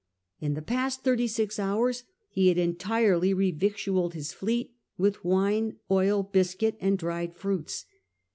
In the past thirty six hours he had entirely revictuaUed his fleet with wine, oil, biscuit, and dried fruits.